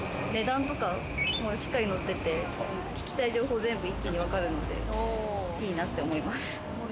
何とかも、しっかり載ってて聞きたい情報、全部一気に分かるんでいいなって思います。